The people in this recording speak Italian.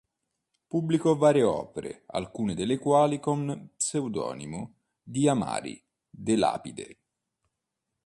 Pubblicò varie opere, alcune delle quali con lo pseudonimo di Amari de Lapide.